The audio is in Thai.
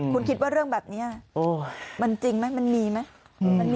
คุณคิดว่าเรื่องแบบนี้มันจริงไหมมันมีไหม